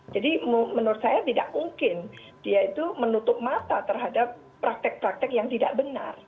jadi menurut saya tidak mungkin dia itu menutup mata terhadap praktek praktek yang tidak benar